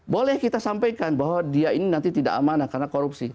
boleh kita sampaikan bahwa dia ini nanti tidak amanah karena korupsi